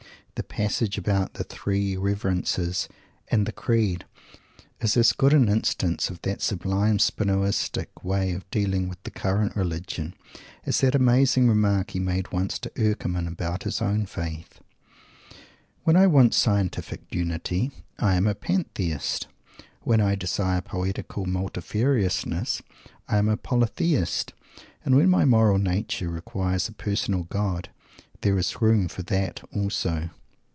The passage about the "Three Reverences" and the "Creed" is as good an instance of that sublime Spinozistic way of dealing with the current religion as that amazing remark he made once to Eckerman about his own faith: "When I want scientific unity, I am a Pantheist. When I desire poetical multifariousness, I am a Polytheist. And when my moral nature requires a Personal God _there is room for That also?"